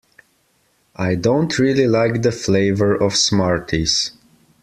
I don't really like the flavour of Smarties